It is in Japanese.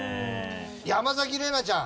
山崎怜奈ちゃん。